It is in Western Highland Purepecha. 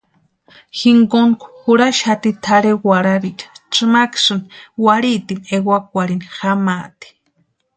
Jinkontu jurhaxati tʼarhe warhariecha tsʼïmaksïni warhitini ewakwarhini jamaati.